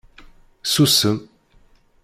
Susem!